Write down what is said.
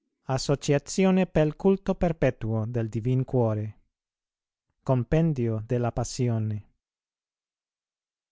"Associazione pel culto perpetuo del divin cuore;" "Compendio della Passione."